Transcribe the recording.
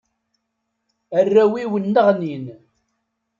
Arraw-iw nneɣnin.